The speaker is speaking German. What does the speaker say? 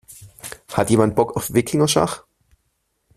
Hat jemand Bock auf Wikingerschach?